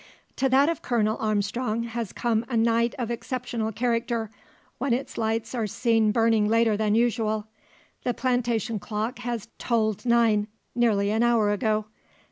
To that of Colonel Armstrong has come a night of exceptional character, when its lights are seen burning later than usual. The plantation clock has tolled nine, nearly an hour ago.